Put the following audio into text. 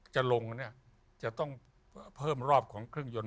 จะลงเนี่ยจะต้องเพิ่มรอบของเครื่องยนต